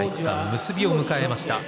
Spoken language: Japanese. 結びを迎えました。